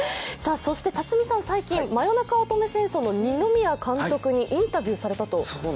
そして辰巳さんは最近、「真夜中乙女戦争」の二宮監督にインタビューされたと？